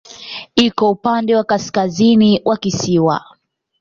Iko upande wa kaskazini wa kisiwa.